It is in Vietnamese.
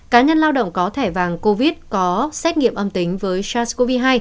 cá nhân lao động có thẻ vàng covid có xét nghiệm âm tính với sars cov hai